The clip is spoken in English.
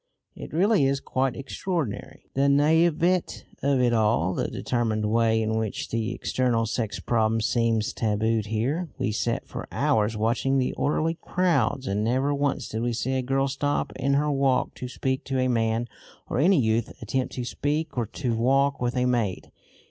It really is quite extraordinary, the naïveté of it all, the determined way in which the eternal sex problem seems tabooed here. We sat for hours watching the orderly crowds, and never once did we see a girl stop in her walk to speak to a man or any youth attempt to speak or to walk with a maid.